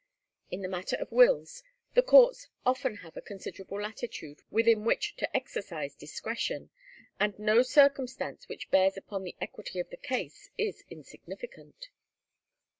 In the matter of wills, the courts often have a considerable latitude within which to exercise discretion, and no circumstance which bears upon the equity of the case is insignificant.